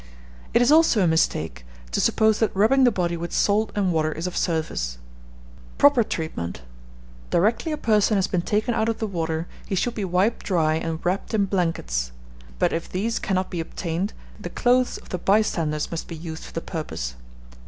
It is also a mistake to suppose that rubbing the body with salt and water is of service. Proper Treatment. Directly a person has been taken out of the water, he should be wiped dry and wrapped in blankets; but if these cannot be obtained, the clothes of the bystanders must be used for the purpose.